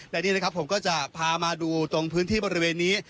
และนี่นะครับผมก็จะพามาดูตรงพื้นที่บริเวณนี้